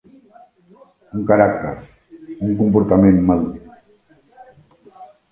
Un caràcter, un comportament madur.